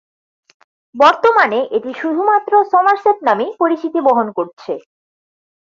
বর্তমানে এটি শুধুমাত্র "সমারসেট" নামেই পরিচিতি বহন করছে।